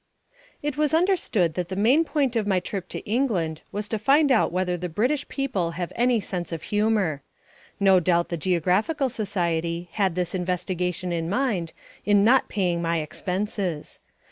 It was understood that the main object of my trip to England was to find out whether the British people have any sense of humour. No doubt the Geographical Society had this investigation in mind in not paying my expenses.